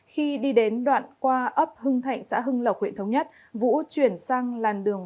khi đi đến đoạn qua ấp hưng thạnh xã hưng lộc huyện thống nhất vũ chuyển sang làn đường